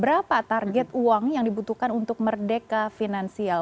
berapa target uang yang dibutuhkan untuk merdeka finansial